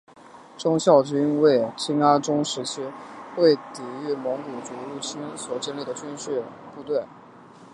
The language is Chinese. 忠孝军为金哀宗时期为抵御蒙古族入侵所建立的军事部队。